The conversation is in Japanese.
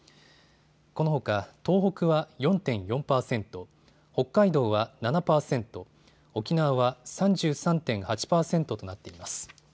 このほか東北は４．４％、北海道は７％、沖縄は３３．８％となっています。